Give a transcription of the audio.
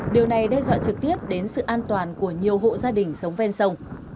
điều này đe dọa trực tiếp đến sự an toàn của nhiều hộ gia đình sống ven sông